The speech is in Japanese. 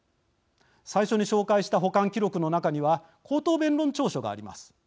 最初に紹介した保管記録の中には口頭弁論調書があります。